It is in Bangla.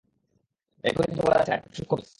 এখনই, কিছু বলা যাচ্ছে না, এটা খুব সূক্ষ্ম কেস।